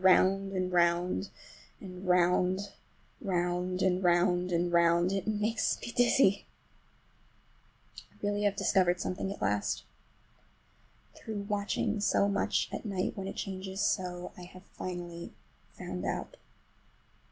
Round and round and round—round and round and round—it makes me dizzy! I really have discovered something at last. Through watching so much at night, when it changes so, I have finally found out.